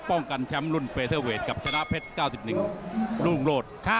ป้องกันแชมป์รุ่นเฟเทอร์เวทกับชนะเพชร๙๑รุ่งโลศ